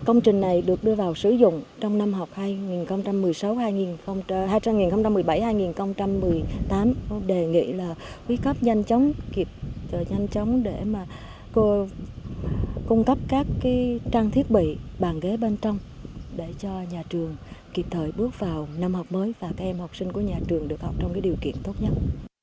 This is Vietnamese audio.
công trình này được đưa vào sử dụng trong năm học hai nghìn một mươi bảy hai nghìn một mươi tám đề nghị là quy cấp nhanh chóng để cung cấp các trang thiết bị bàn ghế bên trong để cho nhà trường kịp thời bước vào năm học mới và các em học sinh của nhà trường được học trong điều kiện tốt nhất